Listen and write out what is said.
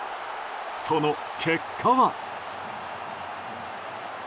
その結果は。